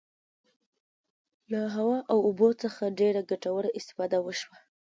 له هوا او اوبو څخه ډیره ګټوره استفاده وشوه.